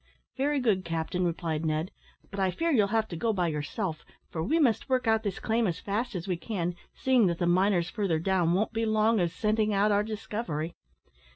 "Very good, captain," replied Ned; "but I fear you'll have to go by yourself, for we must work out this claim as fast as we can, seeing that the miners further down won't be long of scenting out our discovery."